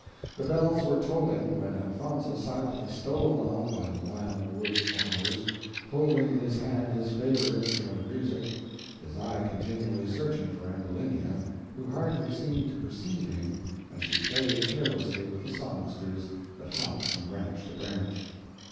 The bells were tolling when Elfonzo silently stole along by the wild wood flowers, holding in his hand his favorite instrument of music his eye continually searching for Ambulinia, who hardly seemed to perceive him, as she played carelessly with the songsters that hopped from branch to branch.